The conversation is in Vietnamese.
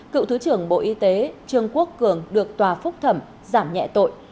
cựu thứ trưởng bộ y tế trương quốc cường được tòa phúc thẩm giảm nhẹ tội